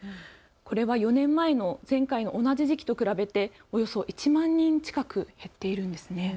これは４年前の前回の同じ時期と比べておよそ１万人近く減っているんですね。